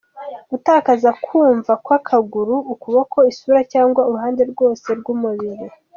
Gutakaza kumva kw’akaguru, ukuboko, isura, cyangwa uruhande rwose rw’umubiri.